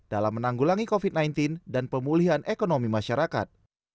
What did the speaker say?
dalam menanggulangi covid sembilan belas dan pemulihan ekonomi masyarakat